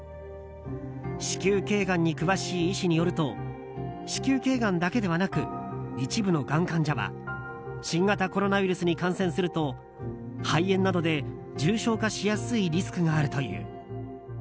子宮頸がんに詳しい医師によると子宮頸がんだけではなく一部のがん患者は新型コロナウイルスに感染すると肺炎などで重症化しやすいリスクがあるという。